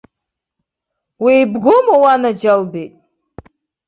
Уеибгоума, уанаџьалбеит?!